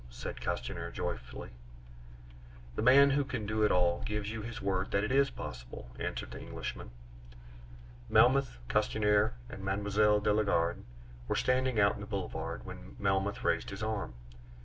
said Castanier joyfully. "The man who can do it all gives you his word that it is possible," answered the Englishman. Melmoth, Castanier, and Mme. de la Garde were standing out in the Boulevard when Melmoth raised his arm.